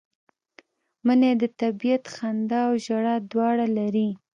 منی د طبیعت خندا او ژړا دواړه لري